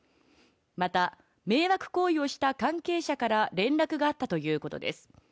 また、迷惑行為をした関係者から連絡があったということです。